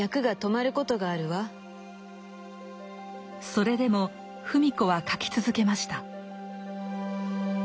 それでも芙美子は書き続けました。